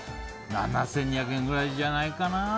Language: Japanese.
７２００円ぐらいじゃないかな。